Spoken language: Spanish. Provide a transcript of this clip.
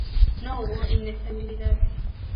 No hubo inestabilidades.